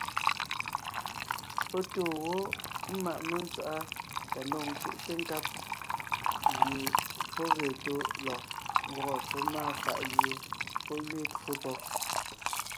Pɔ́ tóo wó ḿmaʼ mentswaʼá tá ndɔg ńcúʼte nkab gie pɔ́ ge tó lɔg gwɔ́gɔ tsɔ́ máa fàʼ gẅie pɔ́ gẅiin twó pɔ́b.